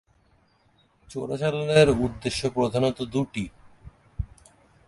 চোরাচালানের উদ্দেশ্য প্রধানত দুটি।